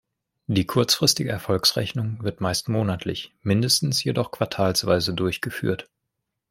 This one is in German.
Die kurzfristige Erfolgsrechnung wird meist monatlich, mindestens jedoch quartalsweise durchgeführt.